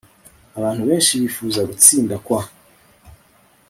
Abantu benshi bifuza gutsinda kwa